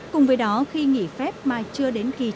cùng với đó khi nghỉ phép mà chưa đến kỳ